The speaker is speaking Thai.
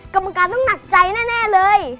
กรรมการต้องหนักใจแน่เลย